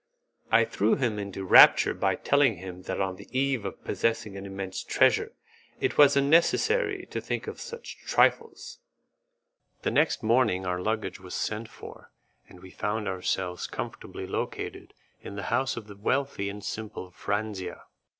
I threw him into raptures by telling him that on the eve of possessing an immense treasure, it was unnecessary to think of such trifles. The next morning our luggage was sent for, and we found ourselves comfortably located in the house of the wealthy and simple Franzia.